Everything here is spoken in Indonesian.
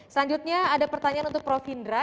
selanjutnya ada pertanyaan untuk prof indra